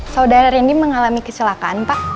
saudara rindy mengalami kecelakaan pak